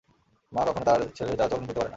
মা কখনো তার ছেলের চাল- চলন ভুলতে পারেনা।